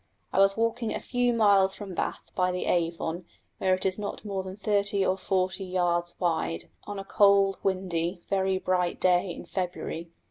I was walking a few miles from Bath by the Avon where it is not more than thirty or forty yards wide, on a cold, windy, very bright day in February.